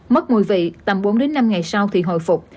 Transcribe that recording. mất mùi vị tầm bốn năm ngày sau thì hồi phục